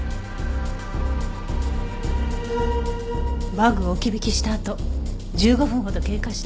バッグを置き引きしたあと１５分ほど経過して。